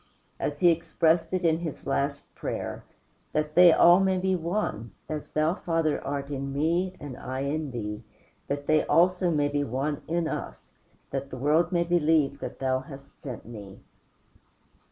As He expressed it in his last prayer: "That they all may be one, as Thou, Father, art in me and I in Thee, that they also may be one in us: that the world may believe that Thou hast sent me."